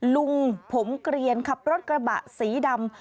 ลุงผมเกลียนขับรถกระบะสีดำ